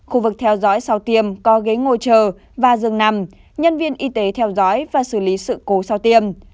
khu vực theo dõi sau tiêm có ghế ngồi chờ và rừng nằm nhân viên y tế theo dõi và xử lý sự cố sau tiêm